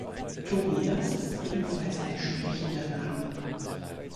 Tobias ist ebenfalls ein sprechender Name.